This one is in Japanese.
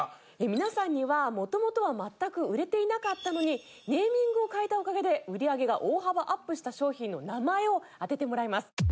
皆さんには元々は全く売れていなかったのにネーミングを変えたおかげで売り上げが大幅アップした商品の名前を当ててもらいます。